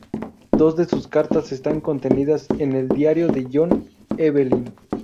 Dos de sus cartas están contenidas en el "Diario de John Evelyn".